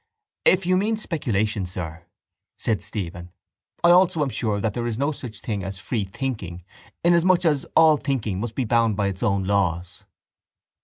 —If you mean speculation, sir, said Stephen, I also am sure that there is no such thing as free thinking inasmuch as all thinking must be bound by its own laws.